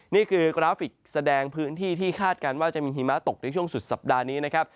นี่คือกราฟิกแสดงพื้นที่ที่คาดการณ์ว่าจะมีหิมะตกในช่วงสุดสัปดาห์นี้นะครับ